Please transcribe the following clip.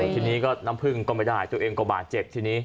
ทีนี้ก็น้ำผึ้งก็ไม่ได้ตัวเองก็บาดเจ็บทีนี้